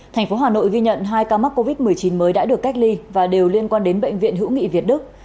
thành phố hà nội ghi nhận hai ca mắc covid một mươi chín mới đã được cách ly và đều liên quan đến bệnh viện hữu nghị việt đức